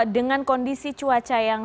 dengan kondisi cuaca yang